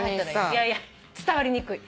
いやいや伝わりにくい。